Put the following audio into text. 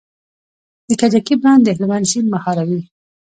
د کجکي بند د هلمند سیند مهاروي